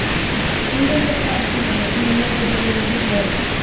Меня подташнивало, и немного болел живот.